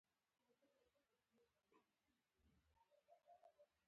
آیا دوی په سختو کارونو کې بوخت نه دي؟